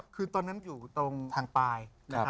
คือตอนนั้นอยู่ตรงทางปลายนะครับ